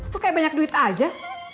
tuh kayak banyak duit aja